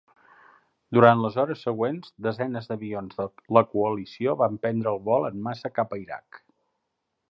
Durant les hores següents, desenes d'avions de la coalició van prendre el vol en massa cap a Iraq.